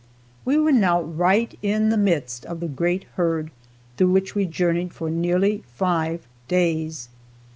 We were now right in the midst of the great herd, through which we journeyed for nearly five days.